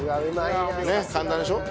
ねっ簡単でしょ？